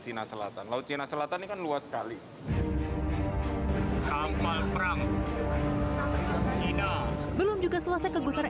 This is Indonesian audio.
china selatan laut china selatan kan luas sekali kampanye perang cina belum juga selesai kegusaran